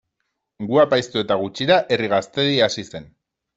Gu apaiztu eta gutxira Herri Gaztedi hasi zen.